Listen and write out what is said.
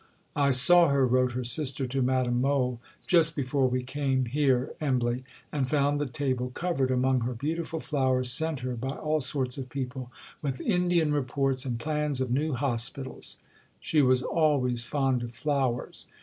"I saw her," wrote her sister to Madame Mohl (Feb. 1861), "just before we came here [Embley], and found the table covered, among her beautiful flowers sent her by all sorts of people, with Indian Reports and plans of new Hospitals." She was always fond of flowers.